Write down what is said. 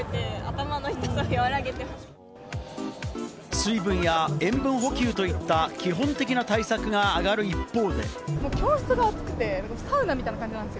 水分や塩分補給といった基本的な対策が上がる一方で。